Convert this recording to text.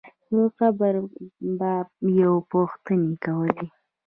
د قبر په باب یې پوښتنې کولې.